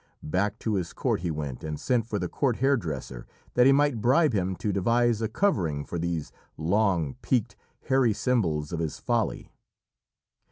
Back to his court he went and sent for the court hairdresser, that he might bribe him to devise a covering for these long, peaked, hairy symbols of his folly.